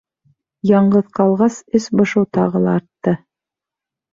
Яңғыҙ ҡалғас, эс бошоу тағы ла артты.